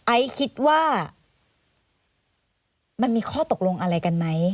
ไอซ์คิดว่ามันมีข้อตกลงอะไรกันไหม